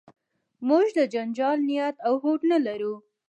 موږ د جنجال نیت او هوډ نه لرو.